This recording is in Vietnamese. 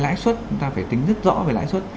lãi suất chúng ta phải tính rất rõ về lãi suất